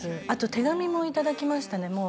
あと手紙もいただきましたね